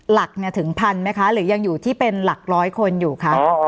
หลักถึงพันไหมคะหรือยังอยู่ที่เป็นหลักร้อยคนอยู่คะ